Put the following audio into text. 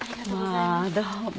まあどうも。